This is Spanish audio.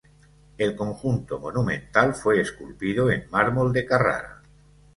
El conjunto monumental fue esculpido en mármol de Carrara.